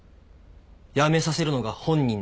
辞めさせるのが本人のため。